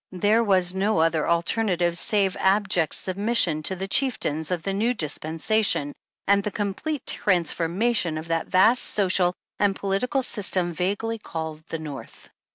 There was no other alternative, save abject submis sion to the chieftains of the new dispensation, and the complete transformation of that vast social and political system vaguely called the North.